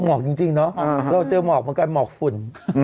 หมอกจริงเนอะเราเจอหมอกเหมือนกันหมอกฝุ่น